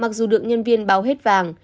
mặc dù được nhân viên báo hết vàng